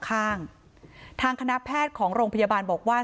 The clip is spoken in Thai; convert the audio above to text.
ข้างทางคณะแพทย์ของโรงพยาบาลบอกว่า